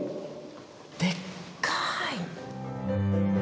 でっかい！